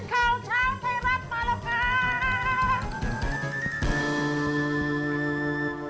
สามชาติพี่หมูพงเทศแบบนี้ข้างในหนาวหรือเปล่าไม่ทราบนะครับ